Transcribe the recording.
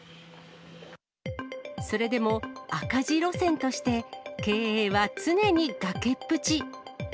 それでも赤字路線として、経営は常に崖っぷち。